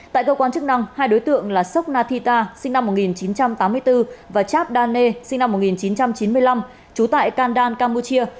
tại cơ quan chức năng hai đối tượng là sốc nathita sinh năm một nghìn chín trăm tám mươi bốn và cháp dae sinh năm một nghìn chín trăm chín mươi năm trú tại kandan campuchia